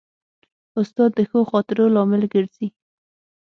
استاد د ښو خاطرو لامل ګرځي.